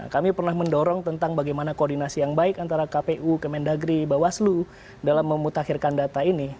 kami pernah mendorong tentang bagaimana koordinasi yang baik antara kpu kemendagri bawaslu dalam memutakhirkan data ini